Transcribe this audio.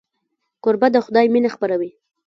کوربه د خدای مینه خپروي.